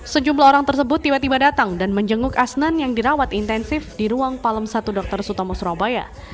sejumlah orang tersebut tiba tiba datang dan menjenguk asnan yang dirawat intensif di ruang palem satu dr sutomo surabaya